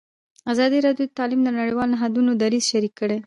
ازادي راډیو د تعلیم د نړیوالو نهادونو دریځ شریک کړی.